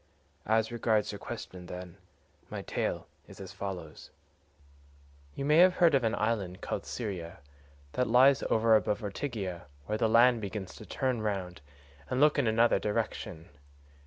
As regards your question, then, my tale is as follows: "You may have heard of an island called Syra that lies over above Ortygia,134 where the land begins to turn round and look in another direction.